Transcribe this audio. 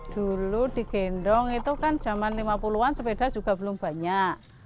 dulu digendong itu kan zaman lima puluh an sepeda juga belum banyak